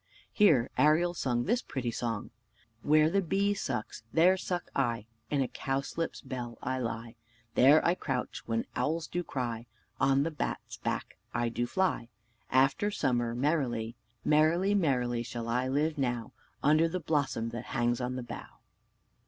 Here Ariel sung this pretty song: "Where the bee sucks, there suck I; In a cowslip's bell I lie: There I crouch when owls do cry. On the bat's back I do fly After summer Merrily. Merrily, merrily shall I live now Under the blossom that hangs on the bough."